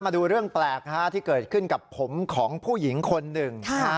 มาดูเรื่องแปลกที่เกิดขึ้นกับผมของผู้หญิงคนหนึ่ง